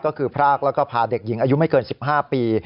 ก็คือพรากแล้วก็พาเด็กหญิงอายุไม่เกิน๑๕ปี